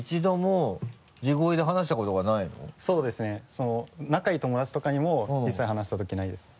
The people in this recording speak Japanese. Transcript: その仲いい友達とかにも一切話したときないですね。